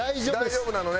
大丈夫なのね？